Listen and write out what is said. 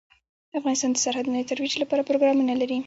افغانستان د سرحدونه د ترویج لپاره پروګرامونه لري.